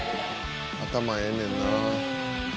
頭ええねんな。